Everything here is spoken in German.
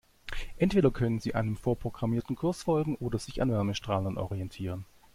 Entweder können sie einem vorprogrammierten Kurs folgen oder sich an Wärmestrahlern orientieren.